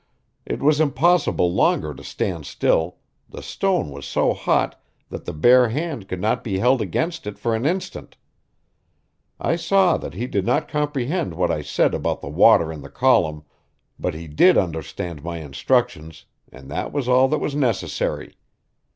It was impossible longer to stand still the stone was so hot that the bare hand could not be held against it for an instant. I saw that he did not comprehend what I said about the water in the column, but he did understand my instructions, and that was all that was necessary.